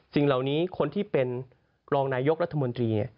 สิ่งเหล่านี้คนที่เป็นรองนายกรัฐมนตรี